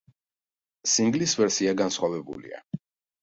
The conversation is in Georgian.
სინგლის ვერსია განსხვავებულია.